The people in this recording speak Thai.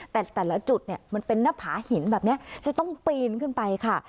แต่แต่ละจุดเนี่ยมันเป็นหน้าผาหินแบบนี้จะต้องปีนขึ้นไปค่ะ